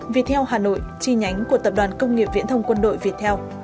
viettel hà nội chi nhánh của tập đoàn công nghiệp viễn thông quân đội viettel